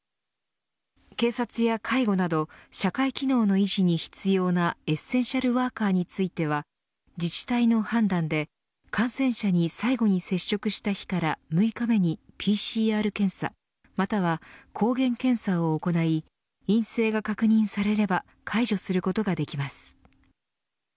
警察や介護など社会機能の維持に必要なエッセンシャルワーカーについては自治体の判断で感染者に最後に接触した日から６日目にＰＣＲ検査、または抗原検査を行い陰性が確認されれば解除することができます。